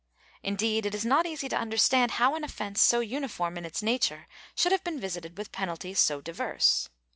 ^ Indeed, it is not easy to understand how an offence so uniform in its nature should have been visited with penalties so diverse.